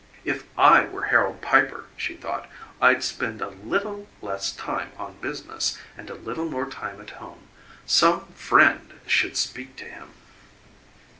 If I were Harold Piper, she thought, I'd spend a LITTLE less time on business and a little more time at home. Some FRIEND should speak to him.